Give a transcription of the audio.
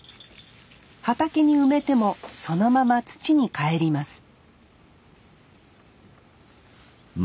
畑に埋めてもそのまま土に返ります